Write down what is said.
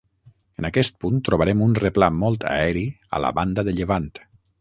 En aquest punt, trobarem un replà molt aeri a la banda de llevant.